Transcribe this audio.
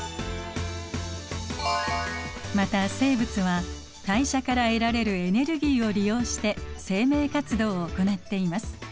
また生物は代謝から得られるエネルギーを利用して生命活動を行っています。